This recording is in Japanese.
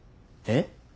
えっ？